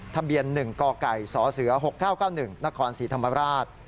ทะเบียน๑กไก่สเส๖๙๙๑นครศรีธรรมราช